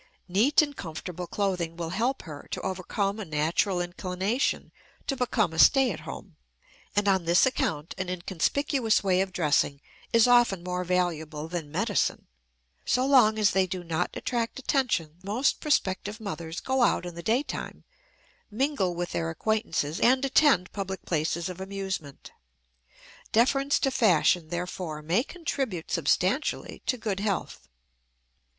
Neat and comfortable clothing will help her to overcome a natural inclination to become a "stay at home," and on this account an inconspicuous way of dressing is often more valuable than medicine. So long as they do not attract attention, most prospective mothers go out in the day time, mingle with their acquaintances, and attend public places of amusement. Deference to fashion, therefore, may contribute substantially to good health.